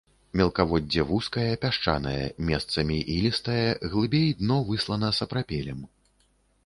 Мелкаводдзе вузкае, пясчанае, месцамі ілістае, глыбей дно выслана сапрапелем.